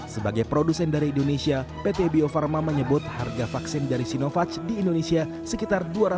sebagai produsen dari indonesia pt bio farma menyebut harga vaksin dari sinovac di indonesia sekitar dua ratus